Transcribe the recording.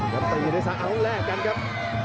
กำตัดอยู่ในสักอาวุธแรกกันครับ